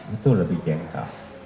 itu lebih gentle